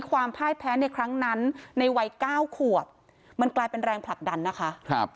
พ่ายแพ้ในครั้งนั้นในวัยเก้าขวบมันกลายเป็นแรงผลักดันนะคะ